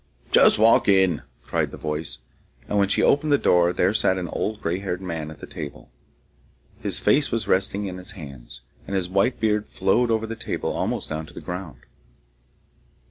'Just walk in,' cried the voice, and when she opened the door there sat an old gray haired man at the table. His face was resting on his hands, and his white beard flowed over the table almost down to the ground.